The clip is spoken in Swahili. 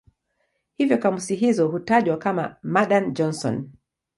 Hivyo kamusi hizo hutajwa kama "Madan-Johnson".